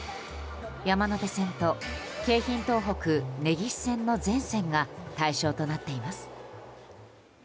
山手線と京浜東北・根岸線の全線が対象となっています。